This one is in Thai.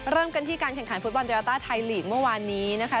เริ่มกันที่การแข่งขันฟุตบอลโยต้าไทยลีกเมื่อวานนี้นะคะ